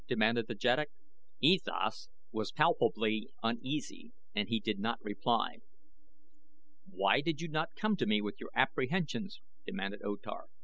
demanded the jeddak. E Thas was palpably uneasy and he did not reply. "Why did you not come to me with your apprehensions?" demanded O Tar.